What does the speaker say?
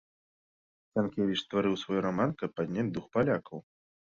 Сянкевіч стварыў свой раман, каб падняць дух палякаў.